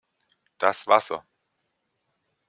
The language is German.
Das Wasser!